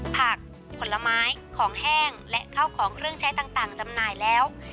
ผักผลไม้ของแห้งและข้าวของเครื่องใช้ต่างจำหน่ายแล้ว